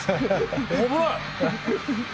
危ない。